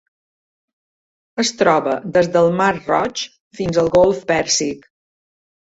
Es troba des del mar Roig fins al golf Pèrsic.